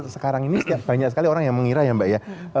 sekarang ini banyak sekali orang yang mengira ya mbak ya